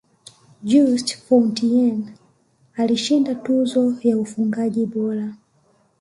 juste fontaine alishinda tuzo ya ufungaji bora